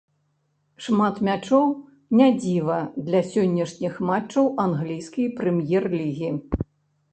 Шмат мячоў не дзіва для сённяшніх матчаў англійскай прэм'ер-лігі.